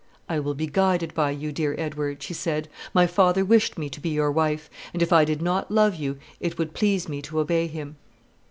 "I will be guided by you, dear Edward," she said; "my father wished me to be your wife; and if I did not love you, it would please me to obey him."